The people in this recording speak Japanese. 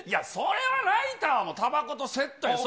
それはライターもたばことセットや。